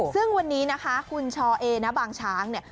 ซึ่งวันนี้นะคะคุณชอเอณบางช้างเนี่ย